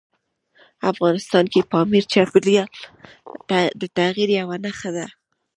افغانستان کې پامیر د چاپېریال د تغیر یوه نښه ده.